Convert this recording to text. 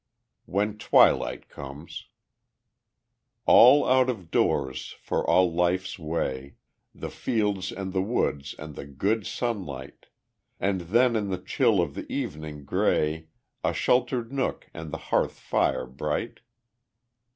When Twilight Comes All out of doors for all life's way, The fields and the woods and the good sunlight; And then in the chill of the evening gray, A sheltered nook and the hearth fire bright.